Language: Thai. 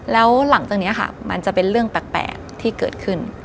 แล้วหลังจากนี้ค่ะมันจะเป็นเรื่องแปลกที่เกิดขึ้น